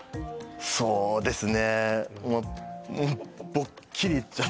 そうですね